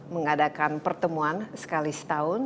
mengadakan pertemuan sekali setahun